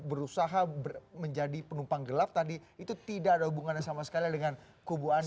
berusaha menjadi penumpang gelap tadi itu tidak ada hubungannya sama sekali dengan kubu anda